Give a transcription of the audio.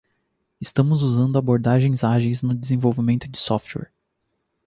Estamos usando abordagens ágeis no desenvolvimento de software.